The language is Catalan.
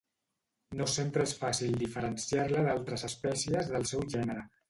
No sempre és fàcil diferenciar-la d'altres espècies del seu gènere.